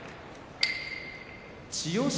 千代翔